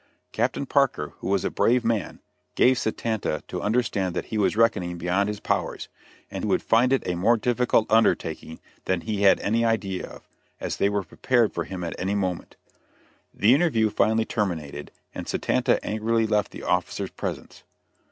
Captain Parker, who was a brave man, gave Satanta to understand that he was reckoning beyond his powers, and would find it a more difficult undertaking than he had any idea of, as they were prepared for him at any moment. The interview finally terminated, and Satanta angrily left the officers presence.